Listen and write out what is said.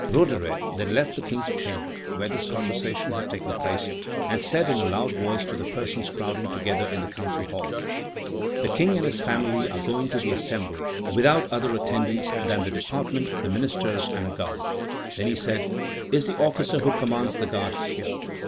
Roederer then left the King's chamber, where this conversation had taken place, and said in a loud voice to the persons crowding together in the Council Hall: "The King and his family are going to the Assembly without other attendants than the department, the ministers, and a guard." Then he asked: "Is the officer who commands the guard here?"